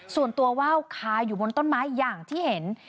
ส่วนตัวว่าวคาอยู่บนต้นไม้อย่างที่เห็น